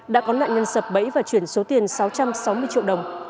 đã có nạn nhân sập bẫy và chuyển số tiền sáu trăm sáu mươi triệu đồng